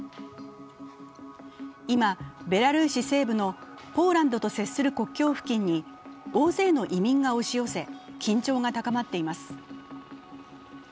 今、ベラルーシ西部のポーランドと接する国境付近に大勢の移民が押し寄せ、緊張が高まっています。